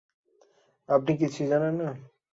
আপনি কিছুই জানেন না?